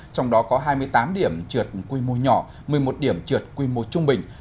trong đó có hai mươi tám điểm trượt quy mô nhỏ một mươi một điểm trượt quy mô trung bình